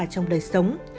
trong đời sống